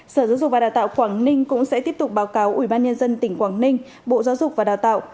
sở giáo dục và đào tạo quảng ninh cũng sẽ tiếp tục báo cáo ubnd tỉnh quảng ninh bộ giáo dục và đào tạo